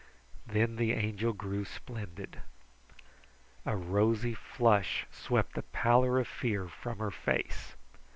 Then the Angel grew splendid. A rosy flush swept the pallor of fear from her face.